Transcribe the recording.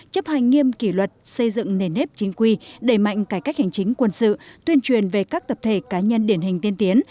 chấp hành nghiêm kỷ luật xây dựng nền nếp chính quy đẩy mạnh cải cách hành chính quân sự tuyên truyền về các tập thể cá nhân điển hình tiên tiến